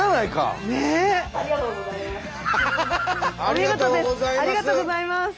ありがとうございます。